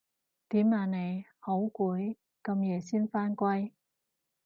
點啊你？好攰？咁夜先返歸